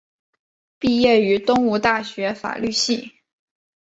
毕业于东吴大学法律系。